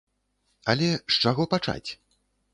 Але з чаго пачаць?